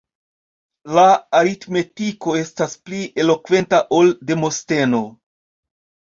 La aritmetiko estas pli elokventa ol Demosteno!